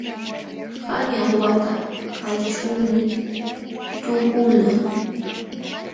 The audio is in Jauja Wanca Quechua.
Qanyan wata kayćhuumi tuhulqaa.